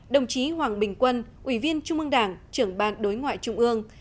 đồng chí hoàng bình quân ủy viên trung ương đảng trưởng ban đối ngoại trung ương